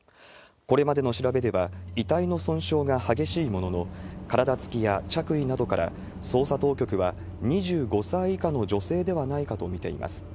これまでの調べでは、遺体の損傷が激しいものの、体つきや着衣などから、捜査当局は２５歳以下の女性ではないかと見ています。